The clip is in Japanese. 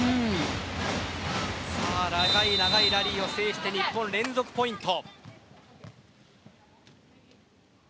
長い長いラリーを制して日本連続ポイント。